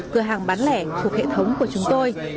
cửa hàng bán lẻ thuộc hệ thống của chúng tôi